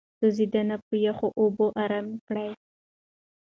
سوځېدنه په يخو اوبو آرام کړئ.